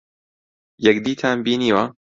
یەکدیتان بینیوە؟